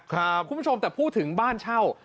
คุณผู้ชมแต่พูดถึงบ้านเช่า